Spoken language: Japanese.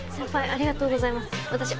ありがとうございます